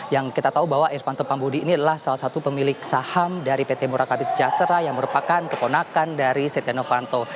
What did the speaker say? yang kita tahu bahwa irvanto pambudi ini adalah salah satu pemilik saham dari pt murakabi sejahtera yang merupakan keponakan dari setia novanto